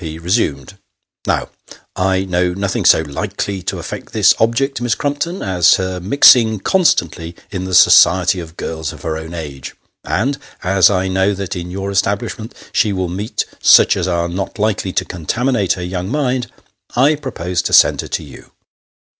P. resumed :" Now, I know nothing so likely to effect this object, Miss Crumpton, as her mixing constantly in the society of girls of her own age ; and, as I know that in your establishment she will meet such as are not likely to con taminate her young mind, I propose to send her to you."